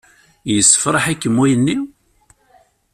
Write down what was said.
Yessefṛaḥ-ikem wayenni?